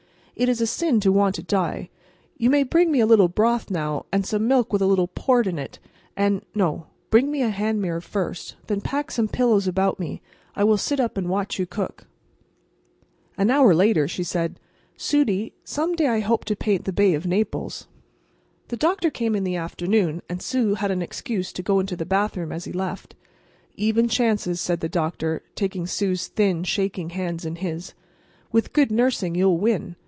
It is a sin to want to die. You may bring me a little broth now, and some milk with a little port in it, and—no; bring me a hand mirror first, and then pack some pillows about me, and I will sit up and watch you cook." An hour later she said. "Sudie, some day I hope to paint the Bay of Naples." The doctor came in the afternoon, and Sue had an excuse to go into the hallway as he left. "Even chances," said the doctor, taking Sue's thin, shaking hand in his. "With good nursing you'll win.